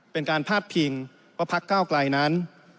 เป็นการพาดพิงว่าพักเก้าไกลนั้น